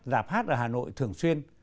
dạp hát ở hà nội thường xuyên